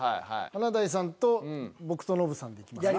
華大さんと僕とノブさんでいきますか。